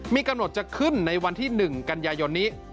มีกำหนดจะขึ้นในวันที่๑กันยายนนี้